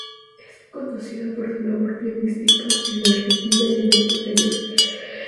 Es conocida por su labor pianística en la Argentina y en el exterior.